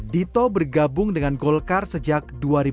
dito bergabung dengan golkar sejak dua ribu empat belas